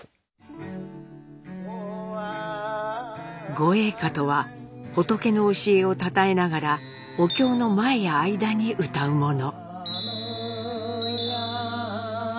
「御詠歌」とは仏の教えをたたえながらお経の前や間にうたうもの。